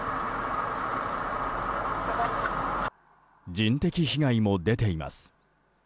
人的被害も出ています。